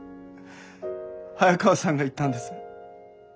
早川さんが言ったんです。